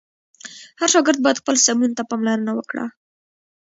هر شاګرد باید خپل سمون ته پاملرنه وکړه.